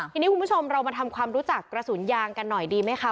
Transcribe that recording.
ทีนี้คุณผู้ชมเรามาทำความรู้จักกระสุนยางกันหน่อยดีไหมคะ